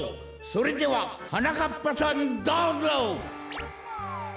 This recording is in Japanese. それでははなかっぱさんどうぞ！